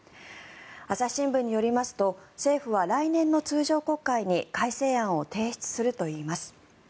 朝日新聞によりますと政府は来年の通常国会に改正案を提出するといいます。